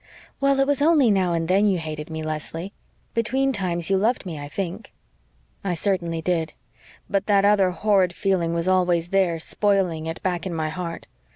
"Well, it was only now and then you hated me, Leslie. Between times you loved me, I think." "I certainly did. But that other horrid feeling was always there, spoiling it, back in my heart.